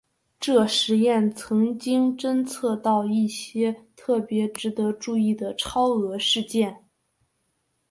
这实验曾经侦测到一些特别值得注意的超额事件。